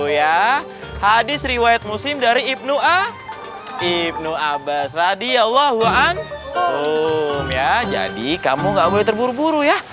ya hadits riwayat muslim dari ibnu ab sadi yallah wa'an ya jadi kamu nggak boleh terburu ya